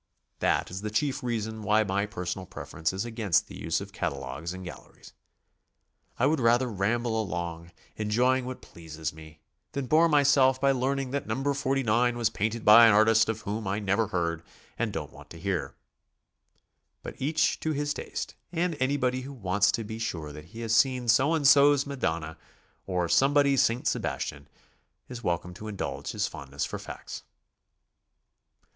That is the chief reason why my personal preference is against the use of catalogues in galleries. I would rather ramble along, enjoying what pleases me, than bore myself by learning that No. 49 was painted by an artist of whom I never heard and don't want to hear. But each to his taste, and anybody w<ho wants to be sure that he has seen So and So's Madonna, or Somebody's St. Sebastian, is welcome to indulge his fondness for facts.